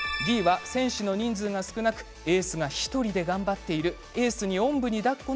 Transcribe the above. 選手の人数が少なくエースが１人で頑張っているチームです。